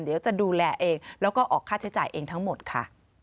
เดี๋ยวจะดูแลเองแล้วก็ออกค่าใช้จ่ายเองทั้งหมดค่ะ